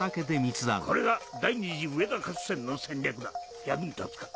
これが第２次上田合戦の戦略だ役に立つか？